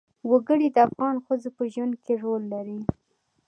وګړي د افغان ښځو په ژوند کې رول لري.